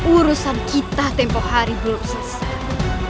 urusan kita tempoh hari belum selesai